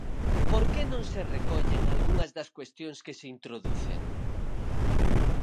¿Por que non se recollen algunhas das cuestións que se introducen?